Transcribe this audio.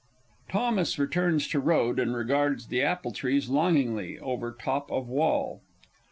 _ THOMAS _returns to road, and regards the apple trees longingly over top of wall.